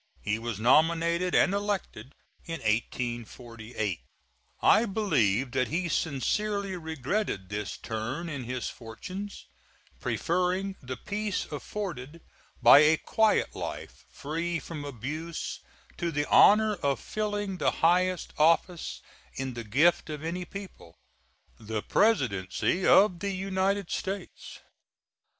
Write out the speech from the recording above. He was nominated and elected in 1848. I believe that he sincerely regretted this turn in his fortunes, preferring the peace afforded by a quiet life free from abuse to the honor of filling the highest office in the gift of any people, the Presidency of the United States.